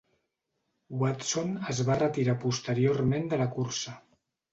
Watson es va retirar posteriorment de la cursa.